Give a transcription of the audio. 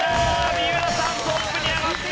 三浦さんトップに上がって。